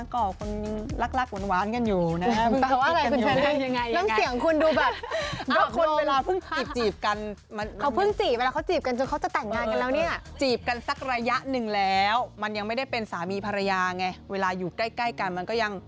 ก็แต่ลักหวานกันอยู่นะคะ